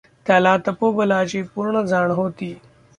त्याला तपोबलाची पूर्ण जाण होती.